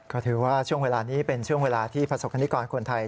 ก็ถือว่าช่วงเวลานี้เป็นช่วงเวลาที่ประสบคณิกรคนไทย